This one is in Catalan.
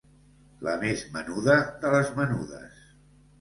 La més menuda de les menudes.